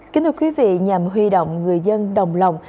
kính thưa quý vị nhằm huy động người dân đồng lòng